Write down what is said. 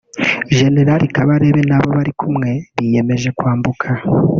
Gen Kabarebe n’abo bari kumwe biyemeje kwambuka